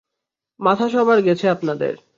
মাথা সবার গেছে আপনাদের?